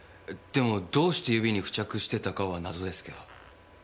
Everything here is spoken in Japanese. でもどうして指に付着してたかは謎ですけど。